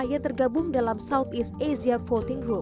yang tergabung dalam southeast asia voting group